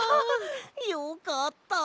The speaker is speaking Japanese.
よかった。